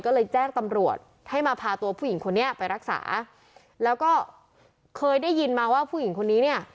ก็เลยแจ้งตำรวจให้มาพาตัวผู้หญิงคนนี้ไปรักษาแล้วก็เคยได้ยินมาว่าผู้หญิงคนนี้เนี่ย